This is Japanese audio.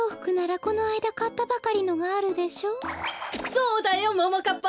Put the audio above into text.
そうだよももかっぱ。